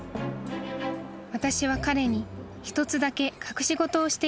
［私は彼に一つだけ隠し事をしていました］